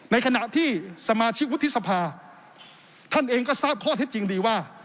ในขณะที่สมาชิกวุฒิสภาท่านเองก็ทราบข้อเท็จจริงดีว่า